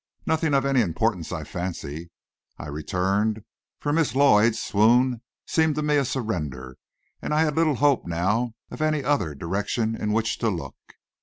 "Nothing of any importance, I fancy," I returned, for Miss Lloyd's swoon seemed to me a surrender, and I had little hope now of any other direction in which to look.